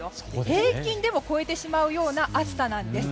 平均でも超えてしまうような暑さなんです。